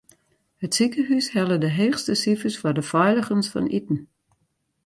It sikehús helle de heechste sifers foar de feiligens fan iten.